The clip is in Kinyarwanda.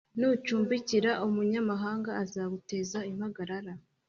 Nucumbikira umunyamahanga azaguteza impagarara,